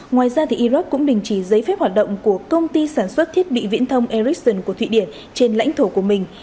ngoài ra iraq cũng đình chỉ giấy phép hoạt động của công ty sản xuất thiết bị viễn thông ericsson của thụy điển trên lãnh thổ của mình